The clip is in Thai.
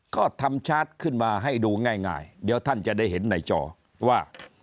ก็ทำชาร์จขึ้นมาให้ดูง่ายเดี๋ยวท่านจะได้เห็นในจอว่า